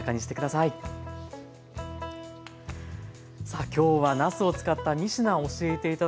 さあきょうはなすを使った３品教えて頂きました。